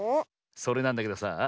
それなんだけどさあ